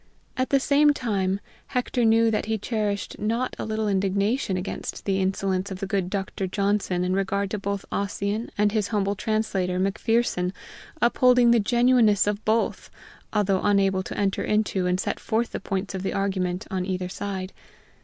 At the same time, Hector knew that he cherished not a little indignation against the insolence of the good Dr. Johnson in regard to both Ossian and his humble translator, Macpherson, upholding the genuineness of both, although unable to enter into and set forth the points of the argument on either side.